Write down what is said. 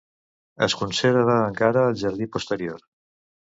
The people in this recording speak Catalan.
Es conserva encara al jardí posterior.